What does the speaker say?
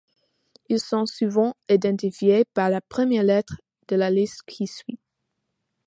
Ils sont souvent identifiés par la première lettre de la liste qui suit.